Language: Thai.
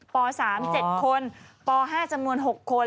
ป๓๗คนป๕จำนวน๖คน